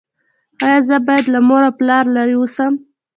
ایا زه باید له مور او پلار لرې اوسم؟